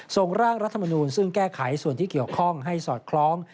ส่งร่างรัฐมนูลซึ่งแก้ไขส่วนที่เกี่ยวข้องให้สอดคล้อง